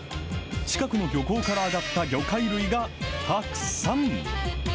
近くの漁港から揚がった魚介類がたくさん。